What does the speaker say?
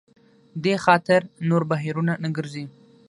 دې خاطر نور بهیرونه نه ګرځي.